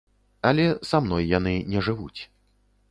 Але са мной яны не жывуць.